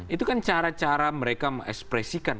itu kan cara cara mereka mengekspresikan